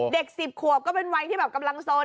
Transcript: เด็กสิบขวบก็เป็นวัยที่แบบกำลังสน